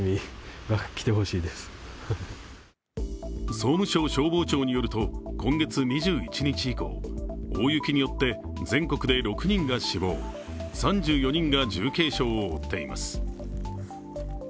総務省消防庁によると今月２１日以降、大雪によって全国で６人が死亡３４人が重軽傷を負っています。